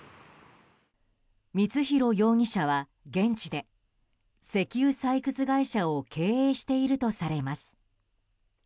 光弘容疑者は現地で石油採掘会社を経営しているとされます。